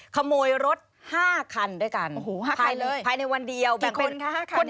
ขโมยรถ๕คันด้วยกันภายในวันเดียวแบ่งเป็นโอ้โฮ๕คันเลย